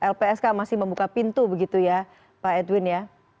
lpsk masih membuka pintu begitu ya pak edwin ya